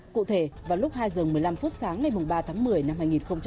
cụ thể vào lúc hai giờ một mươi năm phút sáng ngày ba tháng một mươi năm hai nghìn hai mươi